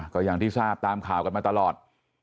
ก็อย่างที่ทราบตามข่าวกันมาตลอด